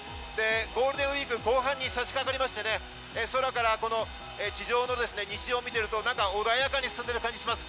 ゴールデンウイーク後半にさしかかりまして、空から地上の日常を見ていると穏やかに進んでる気がします。